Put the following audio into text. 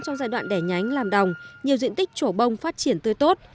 trong giai đoạn đẻ nhánh làm đồng nhiều diện tích chỗ bông phát triển tươi tốt